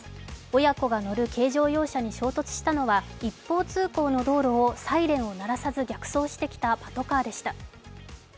親子が乗る軽乗用車に衝突したのは一方通行の道路をサイレンを鳴らさず逆走してきたパトカーでした。